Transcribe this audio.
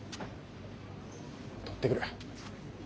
取ってくる。